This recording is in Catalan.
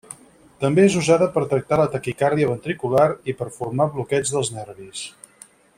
També és usada per tractar la taquicàrdia ventricular i per formar bloqueig dels nervis.